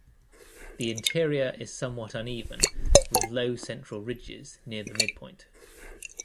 The interior is somewhat uneven, with low central ridges near the midpoint.